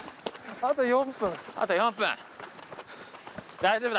あと４分。